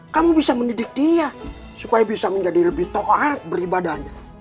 kamu bisa mendidik dia supaya bisa menjadi lebih taat beribadahnya